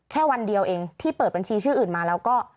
แค่วันเดียวเองที่เปิดบัญชีชื่ออื่นมาแล้วก็